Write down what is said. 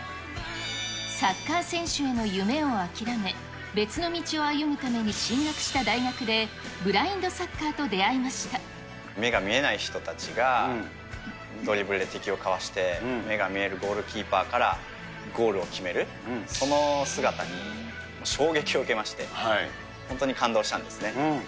サッカー選手への夢を諦め、別の道を歩むために進学した大学で、ブラインドサッカーと出会い目が見えない人たちがドリブルで敵をかわして、目が見えるゴールキーパーからゴールを決める、その姿に衝撃を受けまして、本当に感動したんですね。